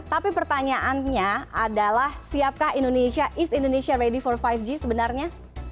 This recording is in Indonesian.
tapi pertanyaannya adalah siapkah indonesia east indonesia ready for lima g sebenarnya